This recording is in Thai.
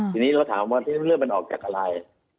ทีนี้เราถามว่าเรื่องมันออกจากอะไร